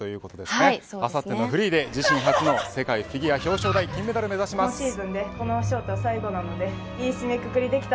あさってのフリーで自身初の世界フィギュア表彰台金メダルを目指します。